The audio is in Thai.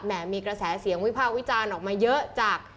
มีกระแสเสียงวิพากษ์วิจารณ์ออกมาเยอะจาก